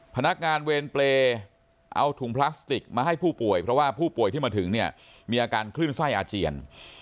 พนักงานเวรเปรย์เอาถุงพลาสติกมาให้ผู้ป่วยเพราะว่าผู้ป่วยที่มาถึงเนี่ยมีอาการคลื่นไส้อาเจียน